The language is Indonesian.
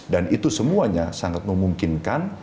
dan itu semuanya sangat memungkinkan